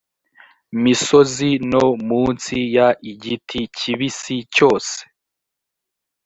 misozi no munsi y igiti kibisi cyose